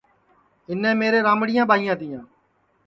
اِنے میرے رمڑیاں ٻائیاں تیا